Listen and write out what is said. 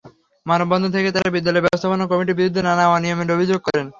মানববন্ধন থেকে তাঁরা বিদ্যালয় ব্যবস্থাপনা কমিটির বিরুদ্ধে নানা অনিয়মের অভিযোগ করেন।